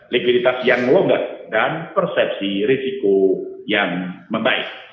likuiditas yang longgar dan persepsi risiko yang membaik